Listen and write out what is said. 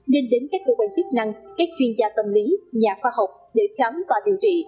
nên đến các cơ quan chức năng các chuyên gia tâm lý nhà khoa học để khám và điều trị